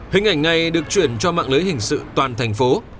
hình ảnh này được chuyển cho mạng lưới hình sự toàn thành phố